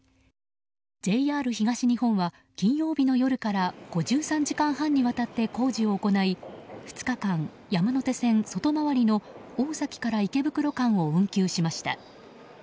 ＪＲ東日本は、金曜日の夜から５３時間半にわたって工事を行い２日間山手線外回りの大崎から池袋間を運休しました。